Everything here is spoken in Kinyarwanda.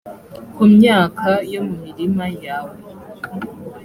ku myaka yo mu mirima yawe,